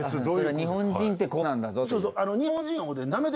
日本人ってこうなんだぞって。